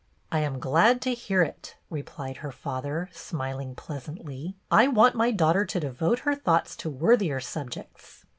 " I am glad to hear it," replied her father, smiling pleasantly. " I want my daughter to devote her thoughts to worthier subjects.